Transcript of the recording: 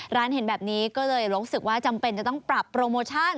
ร้านเห็นแบบนี้ก็เลยรู้สึกว่าจำเป็นจะต้องปรับโปรโมชั่น